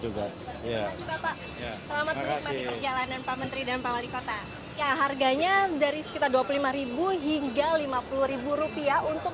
lebih cepat juga pak